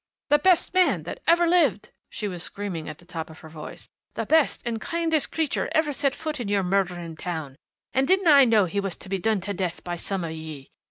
"The best man that ever lived!" she was screaming at the top of her voice. "The best and kindest creature ever set foot in your murdering town! And didn't I know he was to be done to death by some of ye?